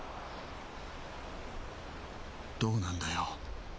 どうなんだよ？